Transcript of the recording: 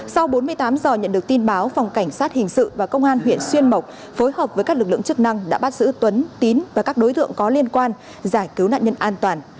sau bốn mươi tám giờ nhận được tin báo phòng cảnh sát hình sự và công an huyện xuyên mộc phối hợp với các lực lượng chức năng đã bắt giữ tuấn tín và các đối tượng có liên quan giải cứu nạn nhân an toàn